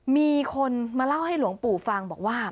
มีคนมาเล่าให้หลวงปู่ฟังบอกว่า